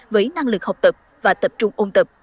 với năng lực học tập và tập trung ôn tập